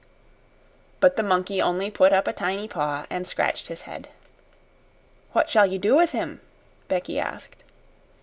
But the monkey only put up a tiny paw and scratched his head. "What shall you do with him?" Becky asked.